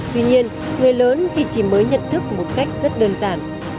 tuy nhiên người lớn thì chỉ mới nhận thức một cách rất đơn giản